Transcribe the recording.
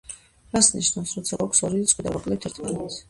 რას ნიშნავს, როცა გვაქვს ორი რიცხვი და ვაკლებთ ერთმანეთს.